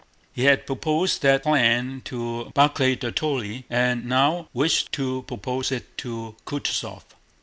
He had proposed that plan to Barclay de Tolly and now wished to propose it to Kutúzov.